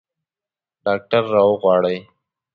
ډاکټر راوغواړئ